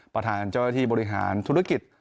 ประธานเจ้าหน้าที่บริหารธุรกิจ